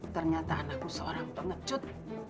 ternyata anakku seorang pengecut